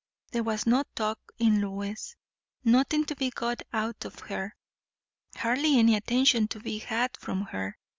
There was no talk in Lois; nothing to be got out of her; hardly any attention to be had from her.